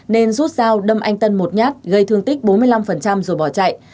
nên rút dao đâm anh tân một nhát gây thương tích bốn mươi năm rồi bỏ chạy